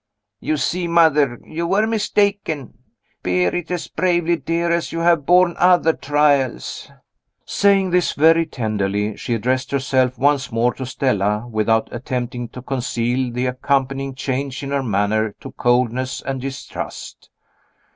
"You see, mother, you were mistaken. Bear it as bravely, dear, as you have borne other trials." Saying this very tenderly, she addressed herself once more to Stella, without attempting to conceal the accompanying change in her manner to coldness and distrust.